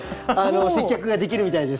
接客ができるみたいです。